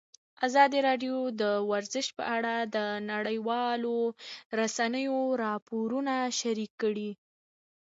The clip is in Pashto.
ازادي راډیو د ورزش په اړه د نړیوالو رسنیو راپورونه شریک کړي.